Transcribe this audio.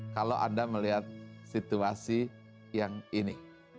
kalau anda melihat situasi yang ini